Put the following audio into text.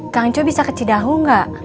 kangen cuy bisa ke cidaho gak